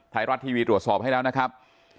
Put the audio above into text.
ไทยรัฐทีวีตรวจสอบให้แล้วนะครับ